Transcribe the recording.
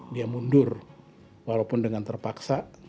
dia mundur walaupun dengan terpaksa